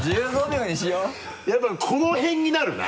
やっぱりこの辺になるな。